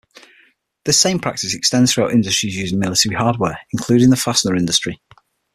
This same practice extends throughout industries using military hardware, including the fastener industry.